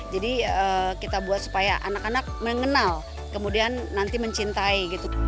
jadi kita buat supaya anak anak mengenal kemudian nanti mencintai